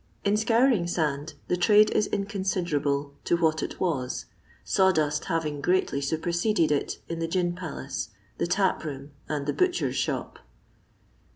In scouring sand the trade is inconiiderable to what it was, saw dust having greatly luptf^ seded it in the gin palace, the tap room, and the butcher's shop.